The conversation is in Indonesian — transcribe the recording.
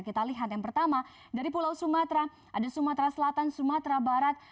kita lihat yang pertama dari pulau sumatera ada sumatera selatan sumatera barat